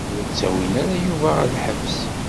Ur ttawin ara Yuba ɣer lḥebs.